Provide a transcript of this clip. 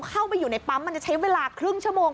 เข้าไปอยู่ในปั๊มมันจะใช้เวลาครึ่งชั่วโมง